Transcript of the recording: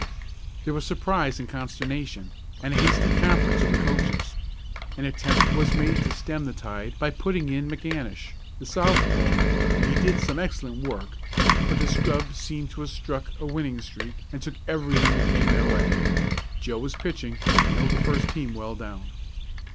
There was surprise and consternation, and a hasty conference of the coaches. An attempt was made to stem the tide by putting in McAnish, the southpaw, and he did some excellent work, but the scrub seemed to have struck a winning streak and took everything that came their way. Joe was pitching, and held the first team well down.